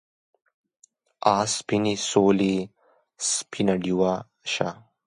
آ سپینې سولې سپینه ډیوه شه